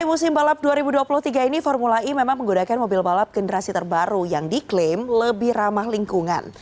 di musim balap dua ribu dua puluh tiga ini formula e memang menggunakan mobil balap generasi terbaru yang diklaim lebih ramah lingkungan